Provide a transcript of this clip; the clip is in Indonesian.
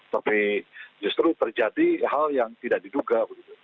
tapi justru terjadi hal yang tidak diduga